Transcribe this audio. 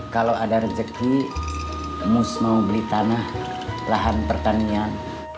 kalau ada rezeki mus mau beli tanah lahan pertanian